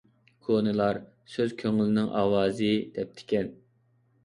كونىلار: «سۆز كۆڭۈلنىڭ ئاۋازى» دەپتىكەن.